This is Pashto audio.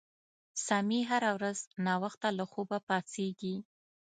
سمیع هره ورځ ناوخته له خوبه پاڅیږي